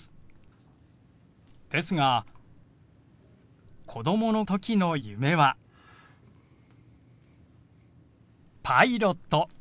ですが子どもの時の夢はパイロット。